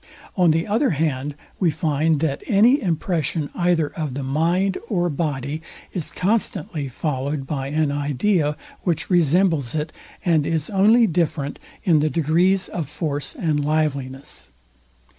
On the other hand we find, that any impression either of the mind or body is constantly followed by an idea, which resembles it, and is only different in the degrees of force and liveliness.